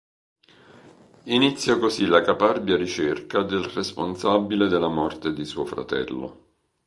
Inizia così la caparbia ricerca del responsabile della morte di suo fratello.